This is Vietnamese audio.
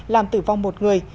làm tử vong một người